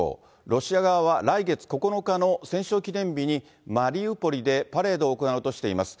ロシア側は来月９日の戦勝記念日に、マリウポリでパレードを行うとしています。